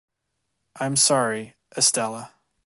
I’m sorry, Estela